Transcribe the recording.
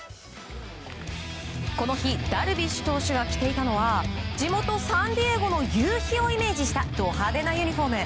この日、ダルビッシュ投手が着ていたのは地元サンディエゴの夕日をイメージしたド派手なユニホーム。